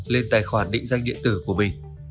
lên tài khoản định danh điện tử của mình